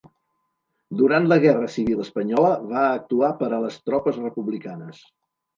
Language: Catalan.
Durant la Guerra Civil espanyola va actuar per a les tropes republicanes.